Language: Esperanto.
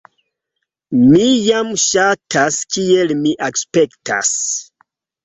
"Mi jam ŝatas kiel mi aspektas."